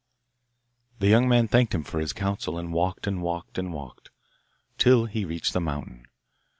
The young man thanked him for his counsel, and walked, and walked, and walked, till he reached the mountain.